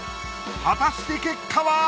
果たして結果は！？